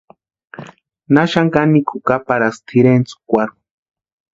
¿Na xani kanikwa jukaparhaski tʼirentskwarhu.